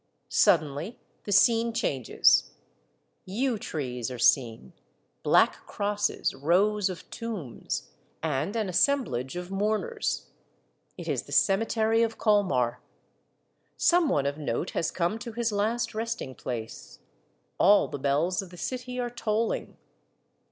Suddenly the scene changes. Yew trees are seen, black crosses, rows of tombs, and an assem blage of mourners. It is the cemetery of Colmar. Some one of note has come to his last resting place. All the bells of the city are tolling.